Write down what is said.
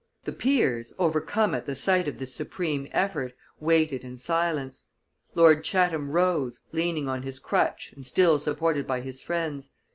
The peers, overcome at the sight of this supreme effort, waited in silence. Lord Chatham rose, leaning on his crutch and still supported by his friends.